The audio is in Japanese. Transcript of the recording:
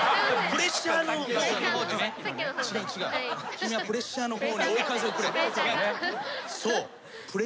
君はプレッシャーの方に追い風をくれ。